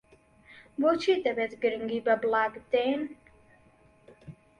بۆچی دەبێت گرنگی بە بڵاگ بدەین؟